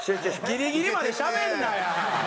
ギリギリまでしゃべんなや！